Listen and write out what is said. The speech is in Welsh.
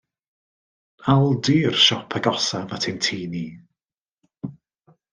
Aldi yw'r siop agosaf at ein tŷ ni.